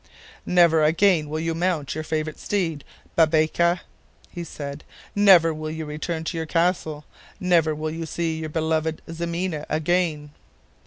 "Never again will you mount your favorite steed Babieça," he said, "never will you return to your castle; never will you see your beloved Ximena again."